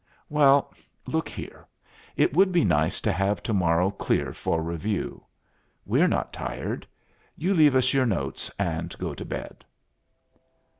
"Well, look here. It would be nice to have to morrow clear for review. We're not tired. You leave us your notes and go to bed."